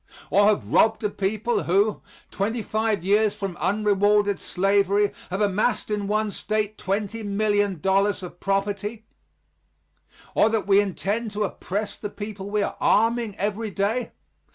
Or have robbed a people who, twenty five years from unrewarded slavery, have amassed in one State $20,000,000 of property? Or that we intend to oppress the people we are arming every day?